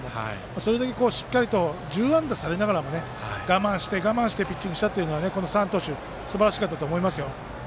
それだけしっかりと１０安打されながらも我慢してピッチングしたというのは、この３投手すばらしかったと思いますよ。